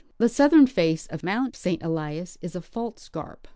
The southern face of Mount St. Elias is a farjlt scarp.